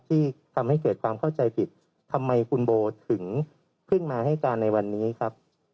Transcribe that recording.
ที่ทำให้เกิดความเข้าใจผิดทำไมคุณโบถึงเพิ่งมาให้การในวันนี้ครับ